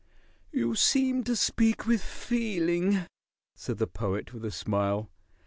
"You seem to speak with feeling," said the Poet, with a smile.